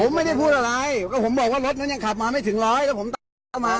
ผมไม่ได้พูดอะไรก็ผมบอกว่ารถนั้นยังขับมาไม่ถึงร้อยแล้วผมตามพระเอามา